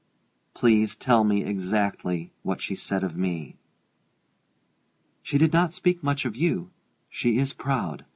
"Please tell me exactly what she said of me." "She did not speak much of you: she is proud.